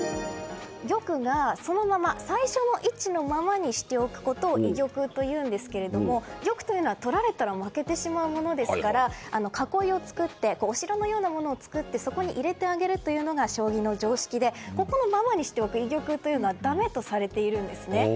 玉がそのまま最初の位置のままにしておくことを居玉というんですけれども玉というのは取られたら負けてしまうものですから囲いを作ってお城のようなものを作ってそこに入れてあげるというのが将棋の常識でこのままにしておく居玉はだめとされているんですね。